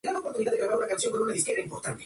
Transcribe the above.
En la compañía, todos me llaman Astro Boy.